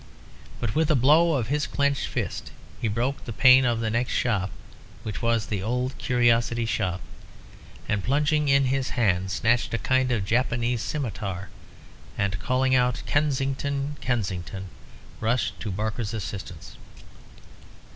But with a blow of his clenched fist he broke the pane of the next shop, which was the old curiosity shop, and, plunging in his hand, snatched a kind of Japanese scimitar, and calling out, "Kensington! Kensington!" rushed to Barker's assistance.